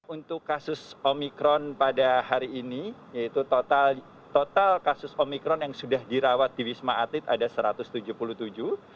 untuk kasus omikron pada hari ini yaitu total kasus omikron yang sudah dirawat di wisma atlet ada satu ratus tujuh puluh tujuh